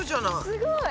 すごい！